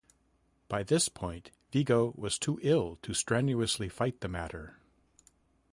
By this point, Vigo was too ill to strenuously fight the matter.